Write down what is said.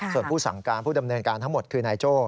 ส่วนผู้สั่งการผู้ดำเนินการทั้งหมดคือนายโจ้